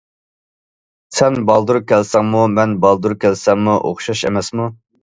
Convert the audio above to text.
سەن بالدۇر كەلسەڭمۇ مەن بالدۇر كەلسەممۇ ئوخشاش ئەمەسمۇ.